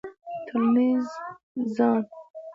ټولنیز ځان